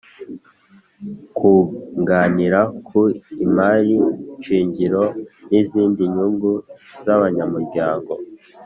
kunganira ku imari shingiro n izindi nyungu z’abanyamuryango